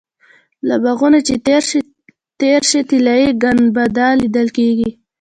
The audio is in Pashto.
له باغونو چې لږ تېر شې طلایي ګنبده لیدل کېږي.